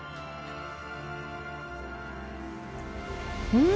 うん！